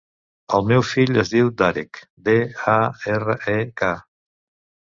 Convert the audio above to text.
El meu fill es diu Darek: de, a, erra, e, ca.